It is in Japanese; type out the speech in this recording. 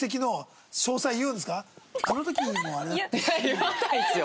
言わないですよ！